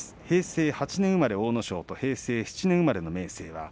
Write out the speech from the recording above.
平成８年生まれの阿武咲と平成７年生まれの明生。